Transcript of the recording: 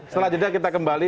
setelah itu kita kembali